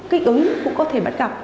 kích ứng cũng có thể bắt gặp